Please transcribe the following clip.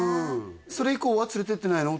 それ以降は連れていってないの？